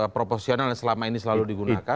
proporsional yang selama ini selalu digunakan